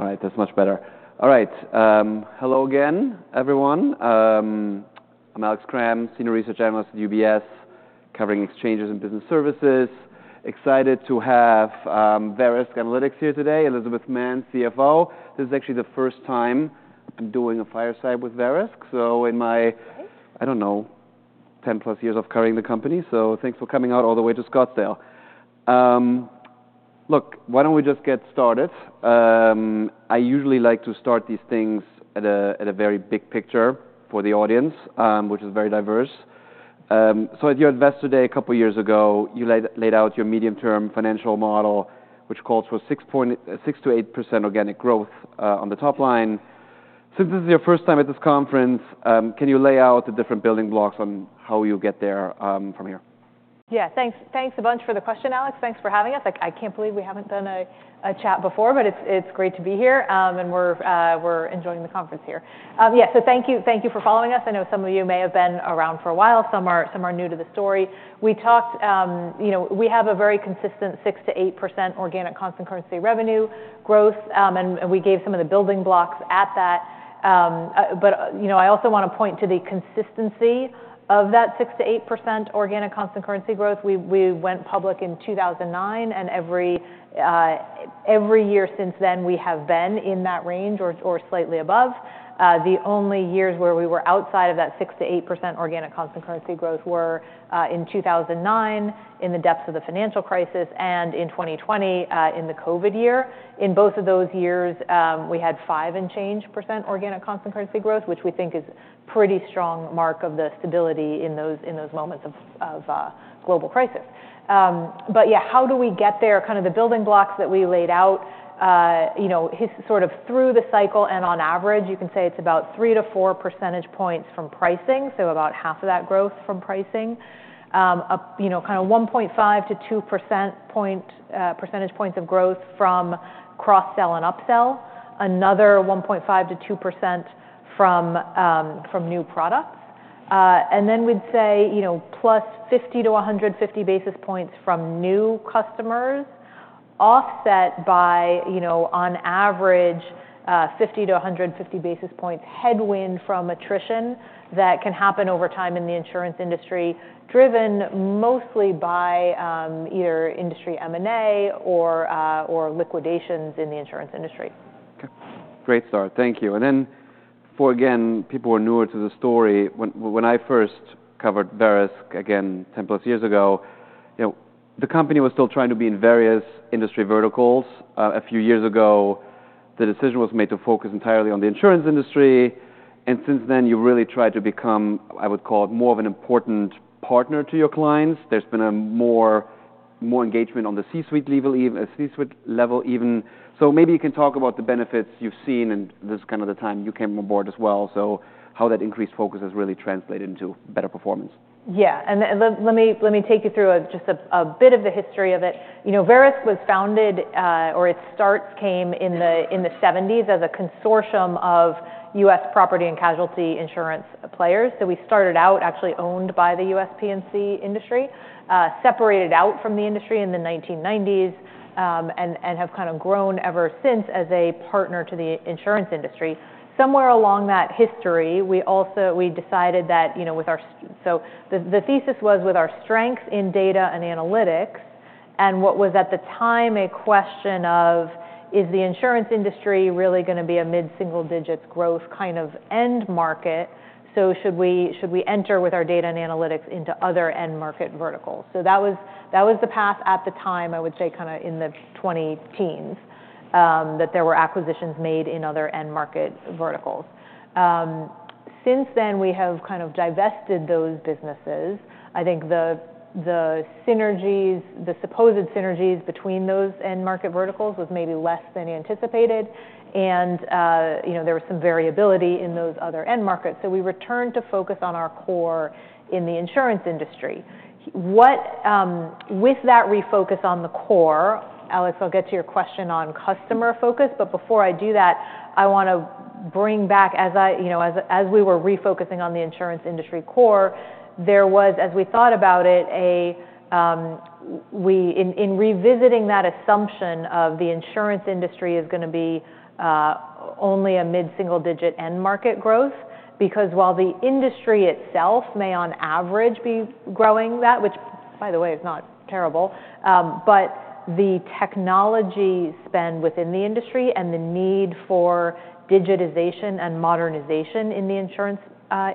All right, that's much better. All right, hello again, everyone. I'm Alex Kramm, Senior Research Analyst at UBS, covering exchanges and business services. Excited to have Verisk Analytics here today. Elizabeth Mann, CFO. This is actually the first time I'm doing a fireside with Verisk, so in my, I don't know, 10+ years of covering the company, so thanks for coming out all the way to Scottsdale. Look, why don't we just get started? I usually like to start these things at a very big picture for the audience, which is very diverse. So at your Investor Day a couple of years ago, you laid out your medium-term financial model, which calls for six point, 6-8% organic growth on the top line. Since this is your first time at this conference, can you lay out the different building blocks on how you get there, from here? Yeah, thanks, thanks a bunch for the question, Alex. Thanks for having us. I can't believe we haven't done a chat before, but it's great to be here and we're enjoying the conference here. Yeah, so thank you, thank you for following us. I know some of you may have been around for a while. Some are new to the story. We talked, you know, we have a very consistent 6%-8% organic constant currency revenue growth, and we gave some of the building blocks at that, but you know, I also want to point to the consistency of that 6%-8% organic constant currency growth. We went public in 2009, and every year since then we have been in that range or slightly above. The only years where we were outside of that 6%-8% organic constant currency growth were in 2009, in the depths of the financial crisis, and in 2020, in the COVID year. In both of those years, we had 5% and change organic constant currency growth, which we think is a pretty strong mark of the stability in those moments of global crisis. But yeah, how do we get there? Kind of the building blocks that we laid out, you know, it's sort of through the cycle and on average. You can say it's about 3-4 percentage points from pricing, so about half of that growth from pricing. You know, kind of 1.5-2 percentage points of growth from cross-sell and upsell. Another 1.5%-2% from new products. And then we'd say, you know, plus 50-150 basis points from new customers, offset by, you know, on average, 50-150 basis points headwind from attrition that can happen over time in the insurance industry, driven mostly by either industry M&A or liquidations in the insurance industry. Okay. Great, start. Thank you. And then for, again, people who are newer to the story, when I first covered Verisk, again, 10+ years ago, you know, the company was still trying to be in various industry verticals. A few years ago, the decision was made to focus entirely on the insurance industry. And since then, you really tried to become, I would call it, more of an important partner to your clients. There's been more engagement on the C-suite level. So maybe you can talk about the benefits you've seen, and this is kind of the time you came on board as well, so how that increased focus has really translated into better performance. Yeah, and let me take you through a bit of the history of it. You know, Verisk was founded, or its start came in the 1970s as a consortium of U.S. Property and Casualty insurance players. So we started out actually owned by the U.S. P&C industry, separated out from the industry in the 1990s, and have kind of grown ever since as a partner to the insurance industry. Somewhere along that history, we also decided that, you know, so the thesis was with our strengths in data and analytics and what was at the time a question of, is the insurance industry really going to be a mid-single-digit growth kind of end market? So should we enter with our data and analytics into other end market verticals? So that was the path at the time, I would say, kind of in the 20-teens, that there were acquisitions made in other end market verticals. Since then, we have kind of divested those businesses. I think the synergies, the supposed synergies between those end market verticals was maybe less than anticipated. And, you know, there was some variability in those other end markets. So we returned to focus on our core in the insurance industry. With that refocus on the core, Alex, I'll get to your question on customer focus, but before I do that, I want to bring back, as I, you know, as we were refocusing on the insurance industry core, there was, as we thought about it, revisiting that assumption of the insurance industry is going to be only a mid-single-digit end market growth, because while the industry itself may on average be growing that, which, by the way, is not terrible, but the technology spend within the industry and the need for digitization and modernization in the insurance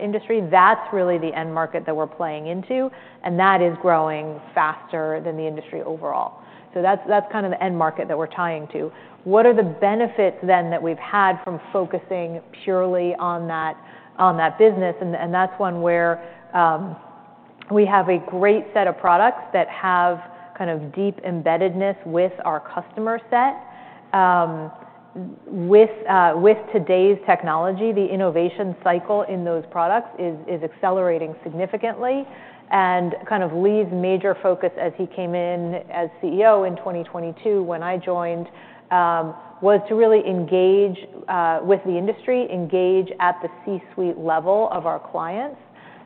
industry, that's really the end market that we're playing into, and that is growing faster than the industry overall. So that's kind of the end market that we're tying to. What are the benefits then that we've had from focusing purely on that business? And that's one where we have a great set of products that have kind of deep embeddedness with our customer set. With today's technology, the innovation cycle in those products is accelerating significantly and kind of Lee's major focus as he came in as CEO in 2022 when I joined was to really engage with the industry, engage at the C-suite level of our clients.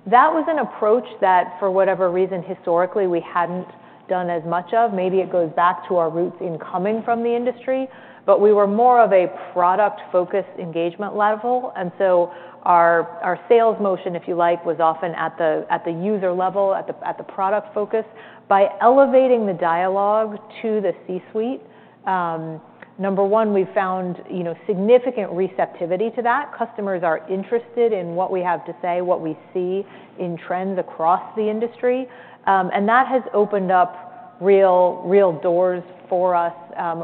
That was an approach that, for whatever reason, historically, we hadn't done as much of. Maybe it goes back to our roots in coming from the industry, but we were more of a product-focused engagement level. And so our sales motion, if you like, was often at the user level, at the product focus. By elevating the dialogue to the C-suite, number one, we've found, you know, significant receptivity to that. Customers are interested in what we have to say, what we see in trends across the industry, and that has opened up real doors for us,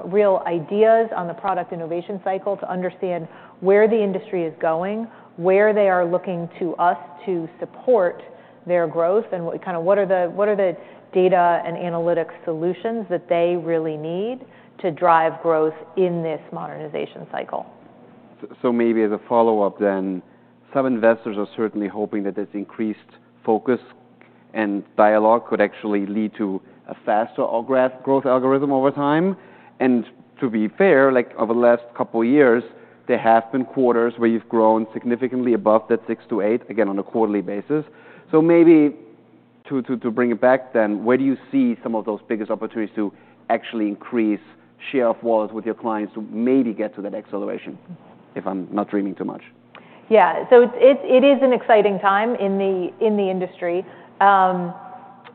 real ideas on the product innovation cycle to understand where the industry is going, where they are looking to us to support their growth, and what kind of data and analytics solutions that they really need to drive growth in this modernization cycle. Maybe as a follow-up then, some investors are certainly hoping that this increased focus and dialogue could actually lead to a faster growth algorithm over time. And to be fair, like over the last couple of years, there have been quarters where you've grown significantly above that 6-8, again, on a quarterly basis. Maybe to bring it back then, where do you see some of those biggest opportunities to actually increase share of wallet with your clients to maybe get to that acceleration, if I'm not dreaming too much? Yeah, so it is an exciting time in the industry.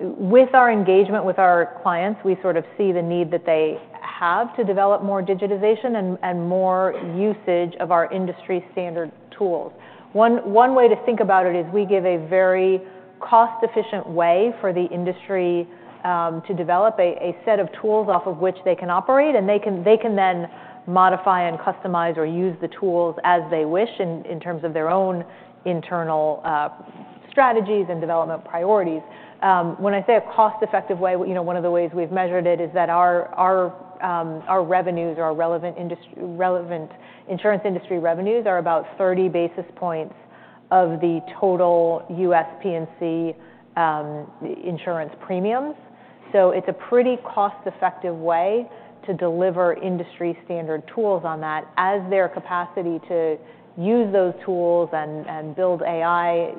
With our engagement with our clients, we sort of see the need that they have to develop more digitization and more usage of our industry standard tools. One way to think about it is we give a very cost-efficient way for the industry to develop a set of tools off of which they can operate, and they can then modify and customize or use the tools as they wish in terms of their own internal strategies and development priorities. When I say a cost-effective way, you know, one of the ways we've measured it is that our revenues or our relevant insurance industry revenues are about 30 basis points of the total U.S. P&C insurance premiums. So it's a pretty cost-effective way to deliver industry standard tools on that as their capacity to use those tools and build AI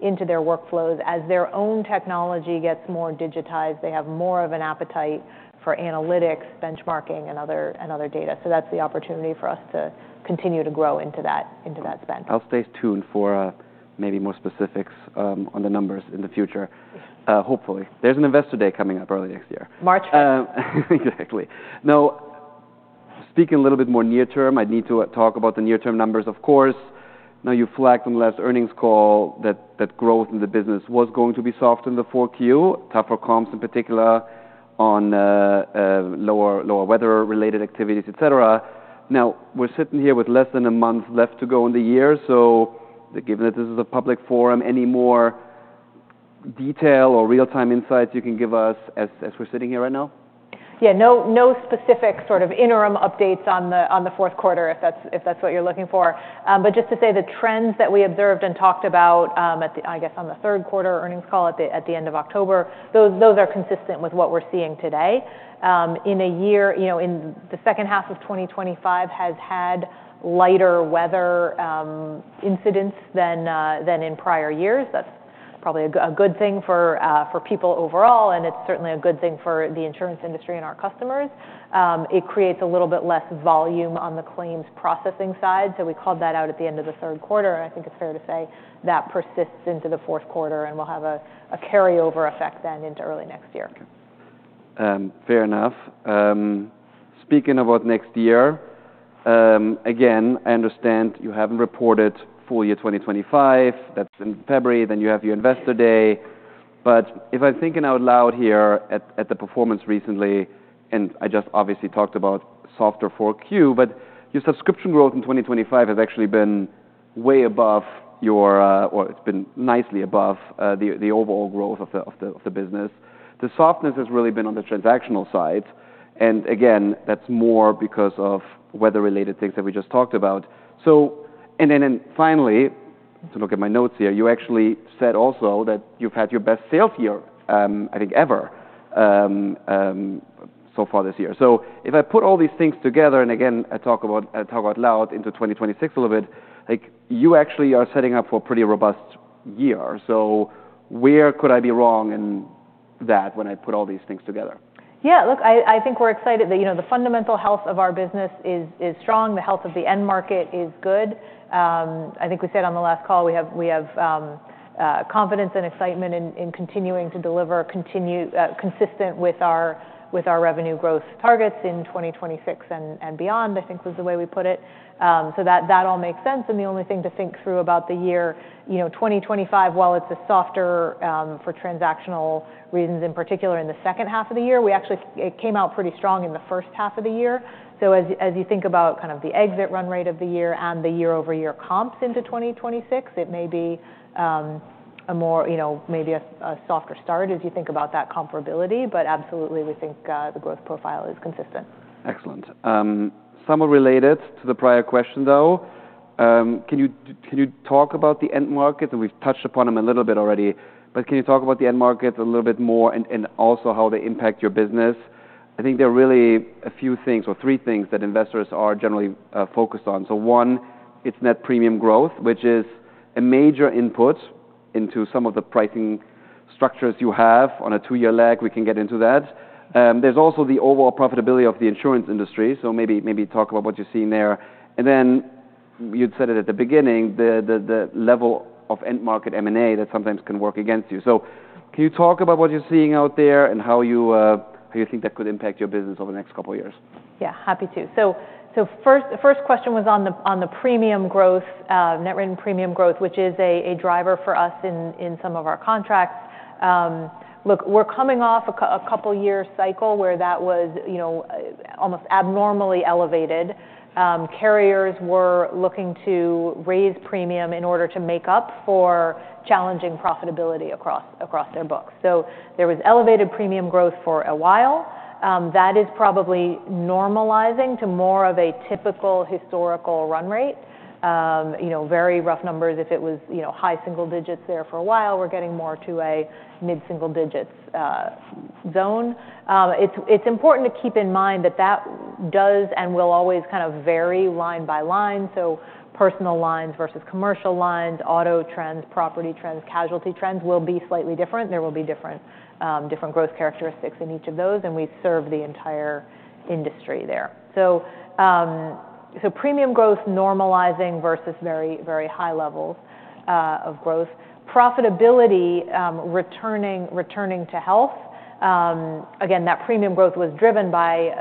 into their workflows as their own technology gets more digitized. They have more of an appetite for analytics, benchmarking, and other data. So that's the opportunity for us to continue to grow into that spend. I'll stay tuned for, maybe more specifics, on the numbers in the future, hopefully. There's an Investor Day coming up early next year. March 5th. Exactly. Now, speaking a little bit more near term, I need to talk about the near-term numbers, of course. Now, you flagged on the last earnings call that growth in the business was going to be soft in the 4Q, tougher comps in particular on lower weather-related activities, et cetera. Now, we're sitting here with less than a month left to go in the year, so given that this is a public forum, any more detail or real-time insights you can give us as we're sitting here right now? Yeah, no, no specific sort of interim updates on the fourth quarter, if that's what you're looking for. But just to say the trends that we observed and talked about, at the, I guess, on the third quarter earnings call at the end of October, those are consistent with what we're seeing today. In a year, you know, in the second half of 2025 has had lighter weather incidents than in prior years. That's probably a good thing for people overall, and it's certainly a good thing for the insurance industry and our customers. It creates a little bit less volume on the claims processing side, so we called that out at the end of the third quarter, and I think it's fair to say that persists into the fourth quarter, and we'll have a carryover effect then into early next year. Okay. Fair enough. Speaking about next year, again, I understand you haven't reported full year 2025. That's in February. Then you have your Investor Day. But if I'm thinking out loud here at the performance recently, and I just obviously talked about softer 4Q, but your subscription growth in 2025 has actually been way above your, or it's been nicely above, the overall growth of the business. The softness has really been on the transactional side. And again, that's more because of weather-related things that we just talked about. So, and then, and finally, to look at my notes here, you actually said also that you've had your best sales year, I think ever, so far this year. So if I put all these things together, and again, I talk out loud into 2026 a little bit, like you actually are setting up for a pretty robust year, so where could I be wrong in that when I put all these things together? Yeah, look, I think we're excited that, you know, the fundamental health of our business is strong. The health of the end market is good. I think we said on the last call, we have confidence and excitement in continuing to deliver consistent with our revenue growth targets in 2026 and beyond, I think was the way we put it, so that all makes sense. And the only thing to think through about the year, you know, 2025, while it's a softer, for transactional reasons in particular in the second half of the year, we actually it came out pretty strong in the first half of the year. So as you think about kind of the exit run rate of the year and the year-over-year comps into 2026, it may be a more, you know, maybe a softer start as you think about that comparability, but absolutely, we think the growth profile is consistent. Excellent. Somewhat related to the prior question, though, can you talk about the end markets? And we've touched upon them a little bit already, but can you talk about the end markets a little bit more and also how they impact your business? I think there are really a few things or three things that investors are generally focused on. So one, it's net premium growth, which is a major input into some of the pricing structures you have on a two-year lag. We can get into that. There's also the overall profitability of the insurance industry. So maybe talk about what you're seeing there. And then you'd said it at the beginning, the level of end market M&A that sometimes can work against you. So, can you talk about what you're seeing out there and how you, how you think that could impact your business over the next couple of years? Yeah, happy to. So, first question was on the premium growth, net written premium growth, which is a driver for us in some of our contracts. Look, we're coming off a couple-year cycle where that was, you know, almost abnormally elevated. Carriers were looking to raise premium in order to make up for challenging profitability across their books. So there was elevated premium growth for a while. That is probably normalizing to more of a typical historical run rate. You know, very rough numbers, if it was, you know, high single digits there for a while, we're getting more to a mid-single digits zone. It's important to keep in mind that that does and will always kind of vary line by line. So personal lines versus commercial lines, auto trends, property trends, casualty trends will be slightly different. There will be different growth characteristics in each of those, and we serve the entire industry there. So, premium growth normalizing versus very high levels of growth. Profitability returning to health. Again, that premium growth was driven by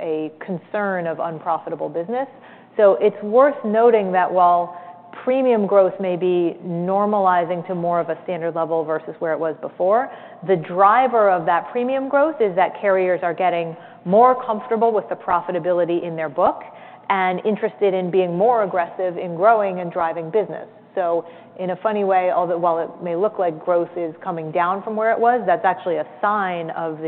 a concern of unprofitable business. So it's worth noting that while premium growth may be normalizing to more of a standard level versus where it was before, the driver of that premium growth is that carriers are getting more comfortable with the profitability in their book and interested in being more aggressive in growing and driving business. So in a funny way, although while it may look like growth is coming down from where it was, that's actually a sign of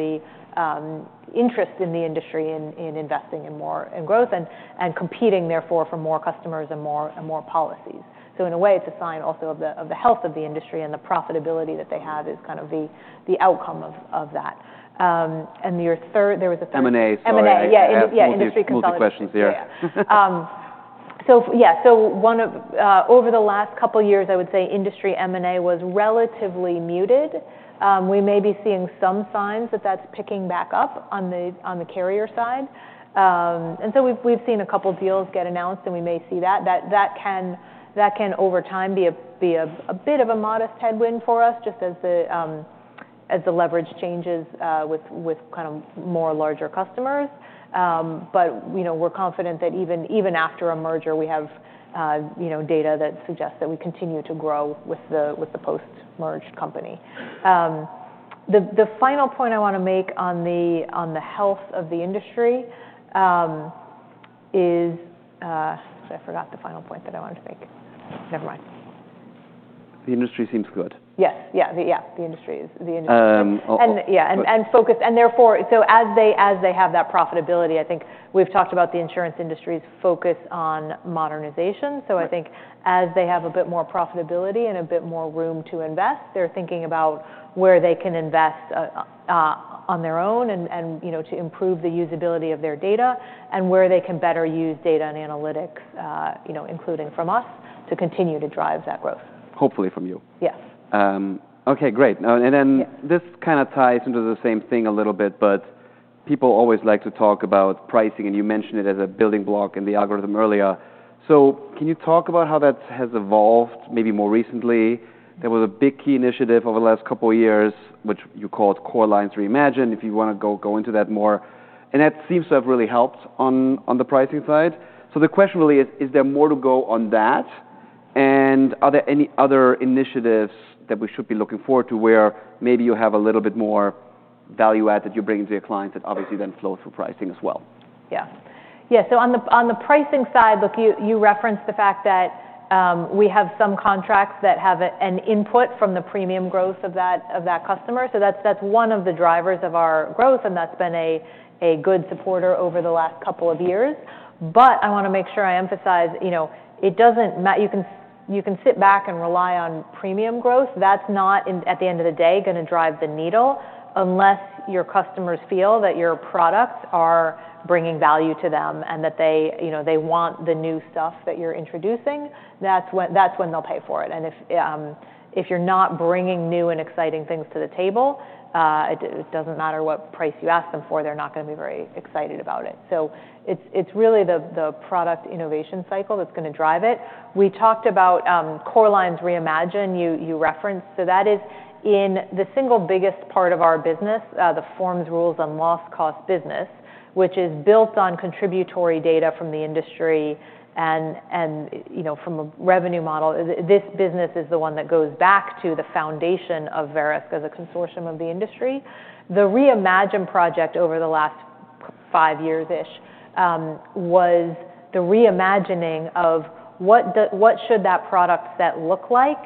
the interest in the industry in investing in more growth and competing therefore for more customers and more policies. So, in a way, it's a sign also of the health of the industry, and the profitability that they have is kind of the outcome of that. And your third, there was a third. M&A stuff. M&A, yeah, yeah, industry consulting. A couple more questions here. Yeah. So yeah, so one of over the last couple of years, I would say industry M&A was relatively muted. We may be seeing some signs that that's picking back up on the carrier side. And so we've, we've seen a couple of deals get announced, and we may see that, that, that can, that can over time be a, be a, a bit of a modest headwind for us just as the, as the leverage changes, with, with kind of more larger customers. But you know, we're confident that even, even after a merger, we have, you know, data that suggests that we continue to grow with the, with the post-merged company. The, the final point I want to make on the, on the health of the industry, is, I forgot the final point that I wanted to make. Never mind. The industry seems good. Yes, the industry seems focused, and therefore, so as they have that profitability, I think we've talked about the insurance industry's focus on modernization, so I think as they have a bit more profitability and a bit more room to invest, they're thinking about where they can invest, on their own and, you know, to improve the usability of their data and where they can better use data and analytics, you know, including from us to continue to drive that growth. Hopefully from you. Yes. Okay, great. And then this kind of ties into the same thing a little bit, but people always like to talk about pricing, and you mentioned it as a building block in the algorithm earlier. So can you talk about how that has evolved maybe more recently? There was a big key initiative over the last couple of years, which you called Core Lines Reimagine, if you want to go into that more. And that seems to have really helped on the pricing side. So the question really is, is there more to go on that? And are there any other initiatives that we should be looking forward to where maybe you have a little bit more value add that you bring into your clients that obviously then flow through pricing as well? Yeah, so on the pricing side, look, you referenced the fact that we have some contracts that have an input from the premium growth of that customer. So that's one of the drivers of our growth, and that's been a good supporter over the last couple of years. But I want to make sure I emphasize, you know, it doesn't matter. You can sit back and rely on premium growth. That's not, at the end of the day, going to drive the needle unless your customers feel that your products are bringing value to them and that they, you know, they want the new stuff that you're introducing. That's when they'll pay for it. If you're not bringing new and exciting things to the table, it doesn't matter what price you ask them for, they're not going to be very excited about it. It's really the product innovation cycle that's going to drive it. We talked about Core Lines Reimagine, you referenced. That is the single biggest part of our business, the forms, rules, and loss costs business, which is built on contributory data from the industry and, you know, from a revenue model. This business is the one that goes back to the foundation of Verisk as a consortium of the industry. The Reimagined project over the last five years-ish was the reimagining of what do, what should that product set look like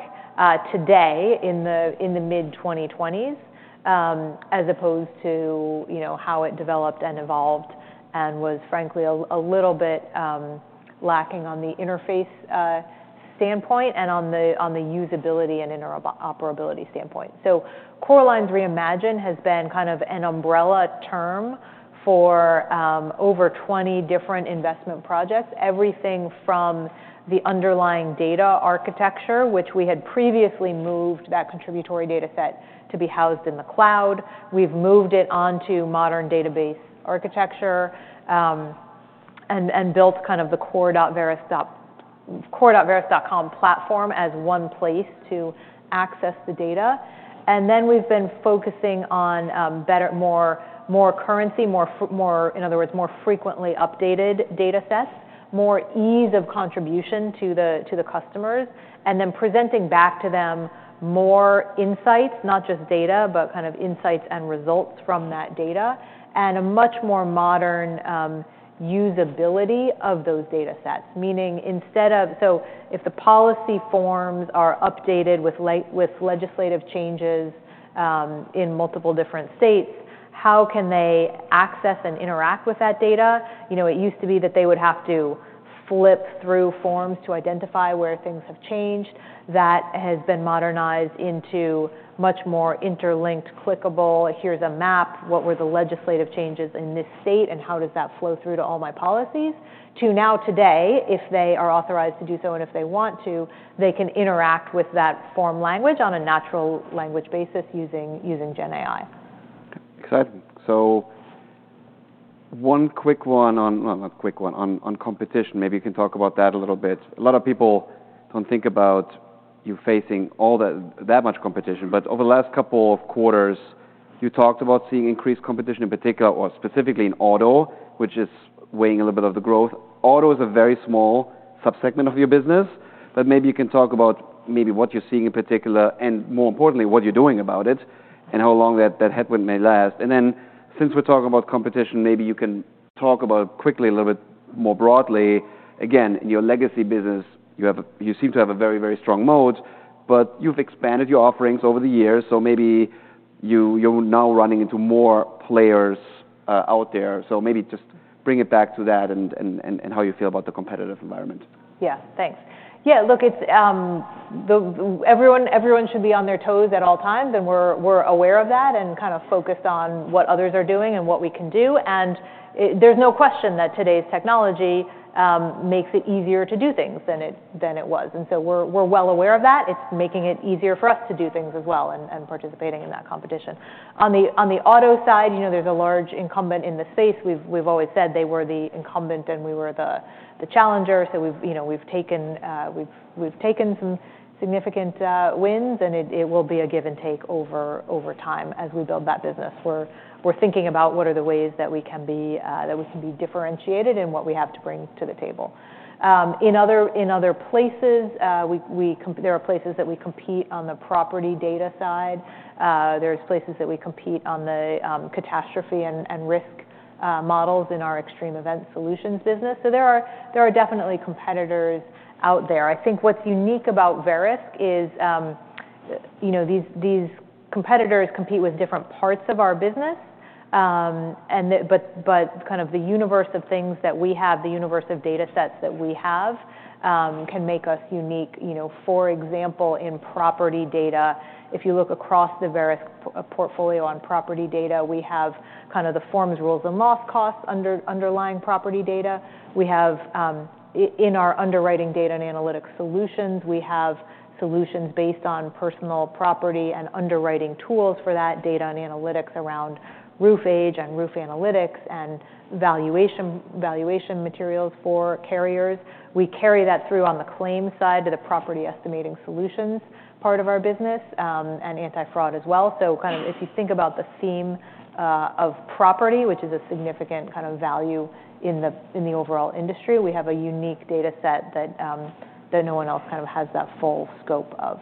today in the, in the mid-2020s, as opposed to, you know, how it developed and evolved and was frankly a little bit lacking on the interface standpoint and on the, on the usability and interoperability standpoint. So Core Lines Reimagine has been kind of an umbrella term for over 20 different investment projects, everything from the underlying data architecture, which we had previously moved that contributory data set to be housed in the cloud. We've moved it onto modern database architecture, and, and built kind of the core.verisk.com platform as one place to access the data. And then we've been focusing on better, more currency, in other words, more frequently updated data sets, more ease of contribution to the customers, and then presenting back to them more insights, not just data, but kind of insights and results from that data and a much more modern usability of those data sets. Meaning instead of, so if the policy forms are updated with legislative changes, in multiple different states, how can they access and interact with that data? You know, it used to be that they would have to flip through forms to identify where things have changed. That has been modernized into much more interlinked, clickable. Here's a map. What were the legislative changes in this state and how does that flow through to all my policies? To now today, if they are authorized to do so and if they want to, they can interact with that form language on a natural language basis using GenAI. Exciting. So one quick one on, not quick one, on competition. Maybe you can talk about that a little bit. A lot of people don't think about you facing all that, that much competition, but over the last couple of quarters, you talked about seeing increased competition in particular, or specifically in auto, which is weighing a little bit of the growth. Auto is a very small subsegment of your business, but maybe you can talk about maybe what you're seeing in particular and more importantly, what you're doing about it and how long that, that headwind may last. And then since we're talking about competition, maybe you can talk about quickly a little bit more broadly. Again, in your legacy business, you have a, you seem to have a very, very strong moat, but you've expanded your offerings over the years. So maybe you're now running into more players out there. So maybe just bring it back to that and how you feel about the competitive environment. Yeah, thanks. Yeah, look, everyone should be on their toes at all times. And we're aware of that and kind of focused on what others are doing and what we can do. And there's no question that today's technology makes it easier to do things than it was. And so we're well aware of that. It's making it easier for us to do things as well and participating in that competition. On the auto side, you know, there's a large incumbent in the space. We've always said they were the incumbent and we were the challenger. So we've taken some significant wins and it will be a give and take over time as we build that business. We're thinking about what are the ways that we can be differentiated and what we have to bring to the table. In other places, we compete. There are places that we compete on the property data side. There's places that we compete on the catastrophe and risk models in our Extreme Event Solutions business. So there are definitely competitors out there. I think what's unique about Verisk is, you know, these competitors compete with different parts of our business. But kind of the universe of things that we have, the universe of data sets that we have, can make us unique. You know, for example, in property data, if you look across the Verisk portfolio on property data, we have kind of the forms, rules, and loss costs underlying property data. We have, in our underwriting data and analytic solutions, solutions based on personal property and underwriting tools for that, data and analytics around roof age and roof analytics and valuation materials for carriers. We carry that through on the claim side to the Property Estimating Solutions part of our business, and anti-fraud as well. If you think about the theme of property, which is a significant kind of value in the overall industry, we have a unique data set that no one else kind of has that full scope of.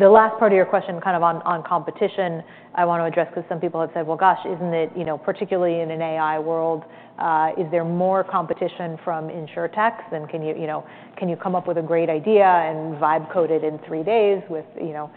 The last part of your question kind of on, on competition, I want to address because some people have said, well, gosh, isn't it, you know, particularly in an AI world, is there more competition from insurtechs than can you, you know, can you come up with a great idea and write code in three days with, you know,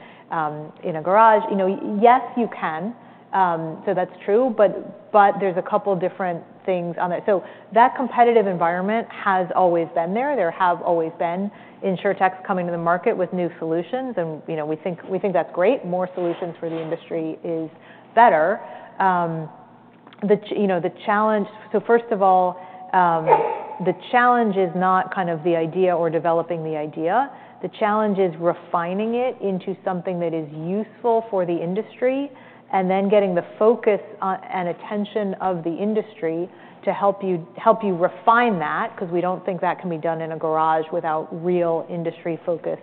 in a garage? You know, yes, you can, so that's true, but, but there's a couple of different things on there, so that competitive environment has always been there. There have always been insurtechs coming to the market with new solutions. And, you know, we think, we think that's great. More solutions for the industry is better. The, you know, the challenge, so first of all, the challenge is not kind of the idea or developing the idea. The challenge is refining it into something that is useful for the industry and then getting the focus on and attention of the industry to help you, help you refine that because we don't think that can be done in a garage without real industry-focused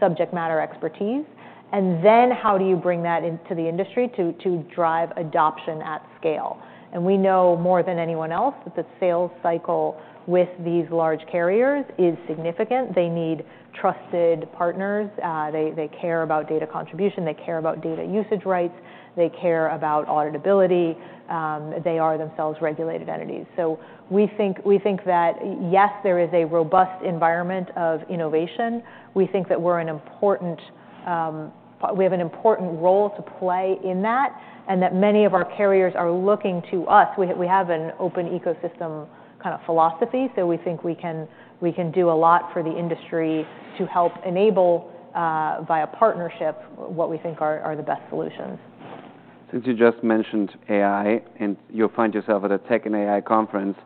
subject matter expertise. And then how do you bring that into the industry to, to drive adoption at scale? And we know more than anyone else that the sales cycle with these large carriers is significant. They need trusted partners. They, they care about data contribution. They care about data usage rights. They care about auditability. They are themselves regulated entities. So we think, we think that yes, there is a robust environment of innovation. We think that we're an important, we have an important role to play in that and that many of our carriers are looking to us. We have an open ecosystem kind of philosophy. So we think we can do a lot for the industry to help enable, via partnership what we think are the best solutions. Since you just mentioned AI and you'll find yourself at a tech and AI conference,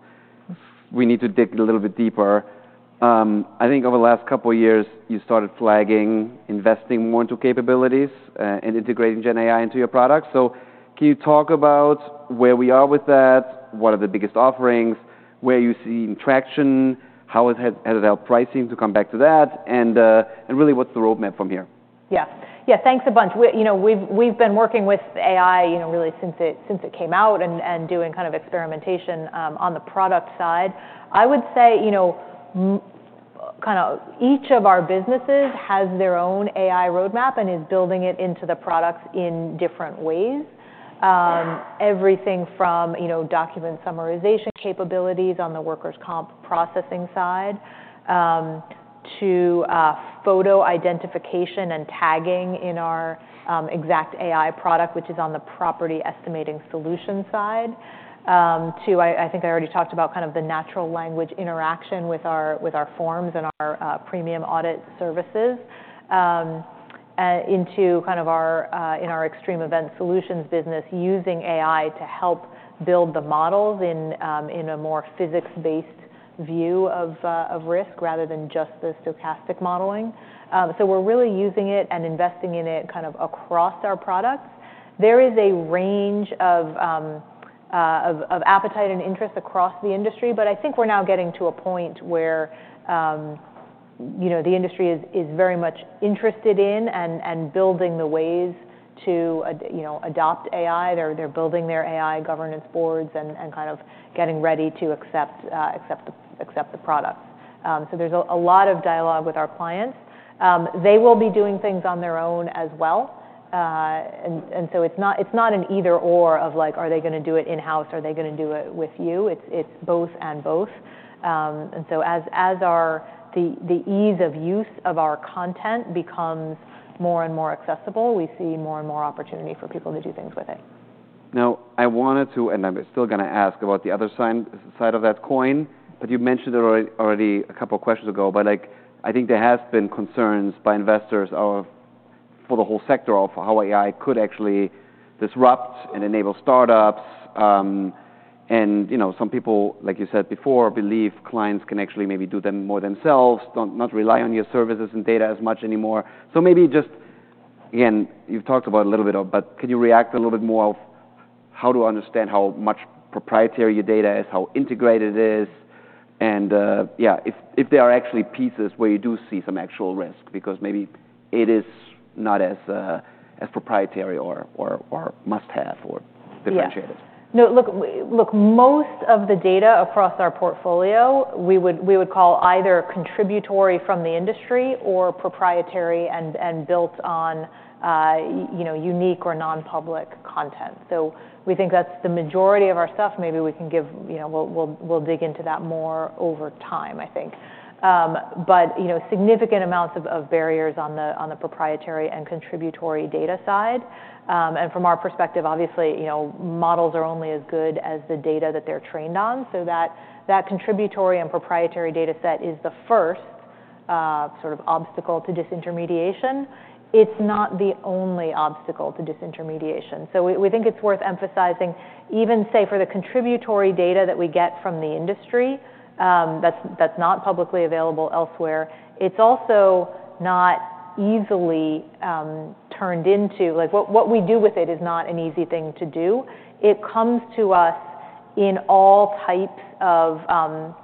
we need to dig a little bit deeper. I think over the last couple of years, you started flagging investing more into capabilities, and integrating GenAI into your products. So can you talk about where we are with that? What are the biggest offerings? Where you see traction? How has it helped pricing to come back to that? And really what's the roadmap from here? Yeah, yeah, thanks a bunch. We, you know, we've been working with AI, you know, really since it came out and doing kind of experimentation on the product side. I would say, you know, kind of each of our businesses has their own AI roadmap and is building it into the products in different ways. Everything from, you know, document summarization capabilities on the workers' comp processing side, to photo identification and tagging in our XactAI product, which is on the property estimating solution side, to I think I already talked about kind of the natural language interaction with our forms and our premium audit services, into kind of our in our Extreme Event Solutions business using AI to help build the models in a more physics-based view of risk rather than just the stochastic modeling. So we're really using it and investing in it kind of across our products. There is a range of appetite and interest across the industry, but I think we're now getting to a point where, you know, the industry is very much interested in and building the ways to, you know, adopt AI. They're building their AI governance boards and kind of getting ready to accept the products, so there's a lot of dialogue with our clients. They will be doing things on their own as well, and so it's not an either/or of like, are they going to do it in-house? Are they going to do it with you? It's both and both. and so, as the ease of use of our content becomes more and more accessible, we see more and more opportunity for people to do things with it. Now I wanted to, and I'm still going to ask about the other side of that coin, but you mentioned it already a couple of questions ago, but like, I think there has been concerns by investors of, for the whole sector of how AI could actually disrupt and enable startups. And, you know, some people, like you said before, believe clients can actually maybe do them more themselves, not rely on your services and data as much anymore. So maybe just, again, you've talked about a little bit of, but can you react a little bit more of how to understand how much proprietary your data is, how integrated it is? And, yeah, if there are actually pieces where you do see some actual risk, because maybe it is not as proprietary or must-have or differentiated. Yeah. No, look, most of the data across our portfolio, we would call either contributory from the industry or proprietary and built on, you know, unique or non-public content. So we think that's the majority of our stuff. Maybe we can give, you know, we'll dig into that more over time, I think. But, you know, significant amounts of barriers on the proprietary and contributory data side. And from our perspective, obviously, you know, models are only as good as the data that they're trained on. So that contributory and proprietary data set is the first, sort of obstacle to disintermediation. It's not the only obstacle to disintermediation. So we think it's worth emphasizing even say for the contributory data that we get from the industry, that's not publicly available elsewhere, it's also not easily turned into like what we do with it is not an easy thing to do. It comes to us in all types of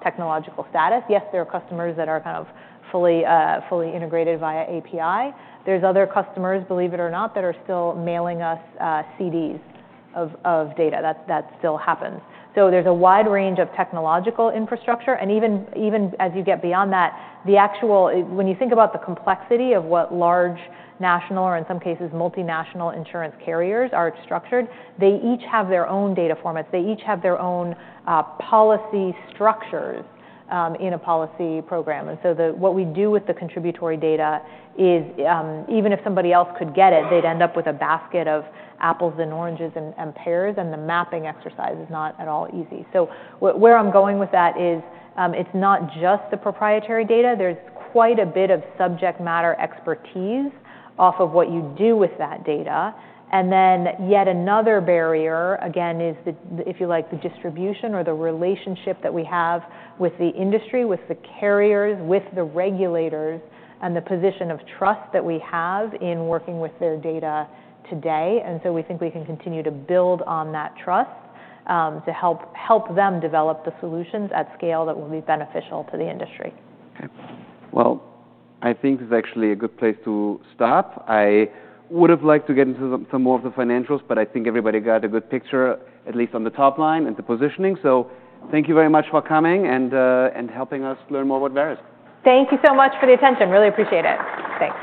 technological status. Yes, there are customers that are kind of fully integrated via API. There's other customers, believe it or not, that are still mailing us CDs of data. That still happens. So there's a wide range of technological infrastructure. And even as you get beyond that, when you think about the complexity of what large national or in some cases multinational insurance carriers are structured, they each have their own data formats. They each have their own policy structures in a policy program. What we do with the contributory data is, even if somebody else could get it, they'd end up with a basket of apples and oranges and pears. The mapping exercise is not at all easy. Where I'm going with that is, it's not just the proprietary data. There's quite a bit of subject matter expertise off of what you do with that data. Yet another barrier again is the, if you like, the distribution or the relationship that we have with the industry, with the carriers, with the regulators and the position of trust that we have in working with their data today. We think we can continue to build on that trust, to help them develop the solutions at scale that will be beneficial to the industry. Okay. Well, I think this is actually a good place to stop. I would have liked to get into some more of the financials, but I think everybody got a good picture, at least on the top line and the positioning. So thank you very much for coming and helping us learn more about Verisk. Thank you so much for the attention. Really appreciate it. Thanks.